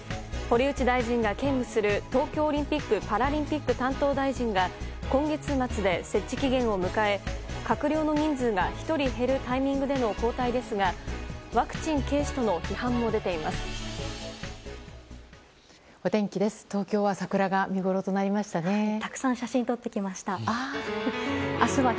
堀内大臣が兼務する東京オリンピック・パラリンピック担当大臣が今月末で設置期限を迎え閣僚の人数が１人減るタイミングでの交代ですがワクチン軽視との批判も出ています。